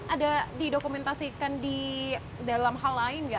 ada didokumentasikan di dalam hal lain nggak